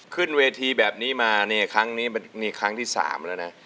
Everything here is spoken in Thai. ขึ้นเวทีแบบนี้มาครั้งนี้ครั้งที่๓แล้วนะ